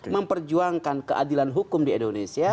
memperjuangkan keadilan hukum di indonesia